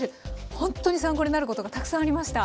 ほんとに参考になることがたくさんありました。